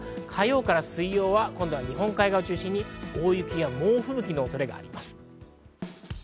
火曜から水曜は日本海側を中心に大雪や猛吹雪の恐れがあります。